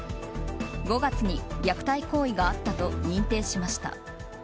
５月に虐待行為があったと認定しました。